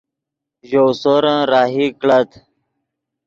ژؤ سورن راہی کڑت